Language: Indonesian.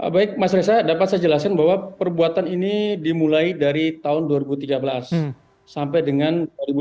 baik mas reza dapat saya jelaskan bahwa perbuatan ini dimulai dari tahun dua ribu tiga belas sampai dengan dua ribu delapan belas